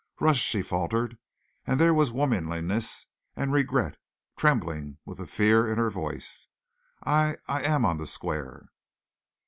"Russ!" she faltered, and there was womanliness and regret trembling with the fear in her voice. "I I am on the square."